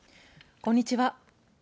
こんにちは。